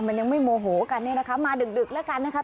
มันยังไม่โมโหกันเนี่ยนะคะมาดึกแล้วกันนะคะ